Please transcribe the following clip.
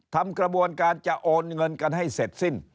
ทำกระบวนการจะโอนเงินกันให้เสร็จสิ้น